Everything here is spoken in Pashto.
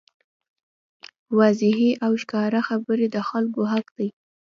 واضحې او ښکاره خبرې د خلکو حق دی.